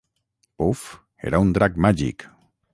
Puff era un drac màgic